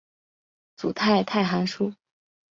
组态态函数。